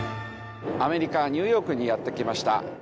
アメリカニューヨークにやって来ました。